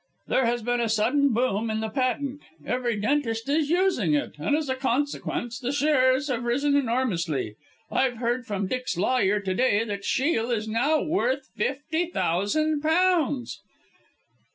"There has been a sudden boom in the patent, every dentist is using it, and, as a consequence, the shares have risen enormously. I've heard from Dick's lawyer to day that Shiel is now worth fifty thousand pounds!"